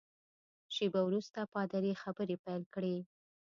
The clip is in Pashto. شېبه وروسته پادري خبرې پیل کړې.